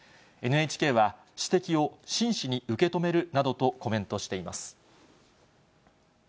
ＮＨＫは、指摘を真摯に受け止めるなどとコメントしています。